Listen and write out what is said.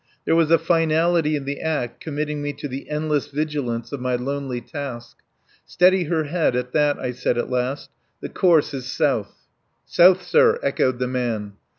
There was a finality in the act committing me to the endless vigilance of my lonely task. "Steady her head at that," I said at last. "The course is south." "South, sir," echoed the man.